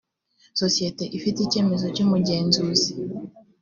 sosiyete ifite icyemezo cy’umugenzuzi